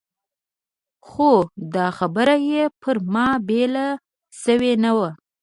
خو دا خبره یې پر ما بېله شوې نه وه.